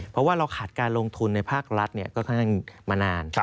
เพราะว่าเราขาดการลงทุนในภาครัฐก็ค่อนข้างมานาน